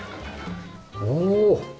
おお！